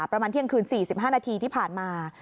ประมาณเที่ยงคืน๔๕นาทีที่ผ่านมา